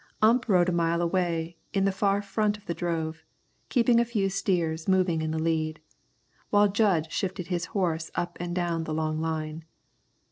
Ump rode a mile away in the far front of the drove, keeping a few steers moving in the lead, while Jud shifted his horse up and down the long line.